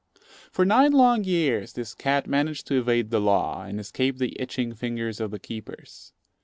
For nine long years this cat managed to evade the law, and escape the itching fingers of the keepers.